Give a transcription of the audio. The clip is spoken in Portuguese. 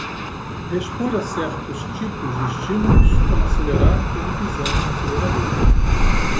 Responde a certos tipos de estímulos, como acelerar quando pisamos no acelerador